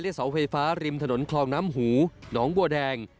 เสาไฟฟ้าริมถนนคลองน้ำหูหนองบัวแดง